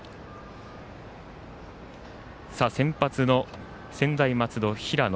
先発の専大松戸平野。